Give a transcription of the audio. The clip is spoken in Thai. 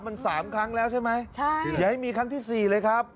มันสามครั้งแล้วใช่ไหมใช่อย่าให้มีครั้งที่สี่เลยครับ